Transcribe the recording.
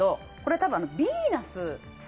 多分ヴィーナス。